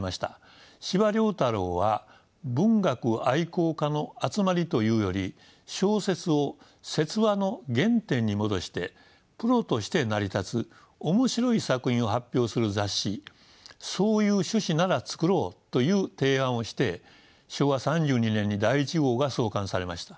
司馬太郎は文学愛好家の集まりというより小説を説話の原点に戻してプロとして成り立つ面白い作品を発表する雑誌そういう趣旨なら創ろうという提案をして昭和３２年に第１号が創刊されました。